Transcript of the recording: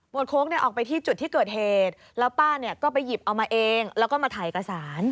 โค้กเนี่ยออกไปที่จุดที่เกิดเหตุแล้วป้าเนี่ยก็ไปหยิบเอามาเองแล้วก็มาถ่ายเอกสาร